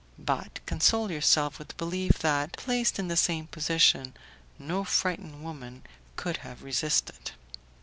But console yourself with the belief that, placed in the same position, no frightened woman could have resisted."